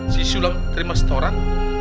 si sulam terima setoran